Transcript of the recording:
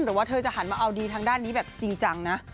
ว่าเธอจะหันมาเอาดีทางด้านนี้แบบจริงจังนะ